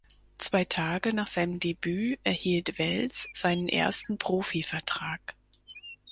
Zwei Tage nach seinem Debüt erhielt Wels seinen ersten Profivertrag.